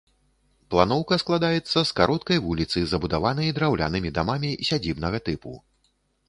Планоўка складаецца з кароткай вуліцы, забудаванай драўлянымі дамамі сядзібнага тыпу.